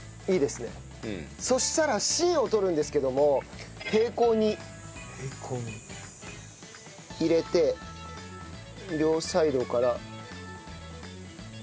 そしたら芯を取るんですけども平行に入れて両サイドから。